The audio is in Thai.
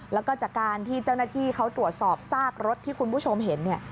แล้วก็จากการที่เจ้าหน้าที่เขาตรวจสอบซากรถที่คุณผู้ชมเห็น